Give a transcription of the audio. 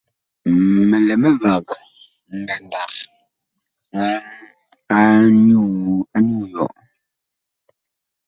Mi lɛ mivag ngandag anyuu yɔɔ.